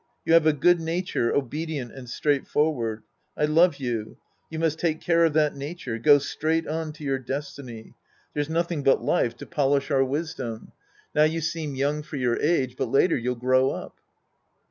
You have a good nature, obedient and straightforward. I love you. You must take care of that nature. Go straight on to your destiny. There's nothing but life to polish ou'; Act II The Priest and His Disciples 73 wisdom. Now you seem young for your age, but later you'll grow up.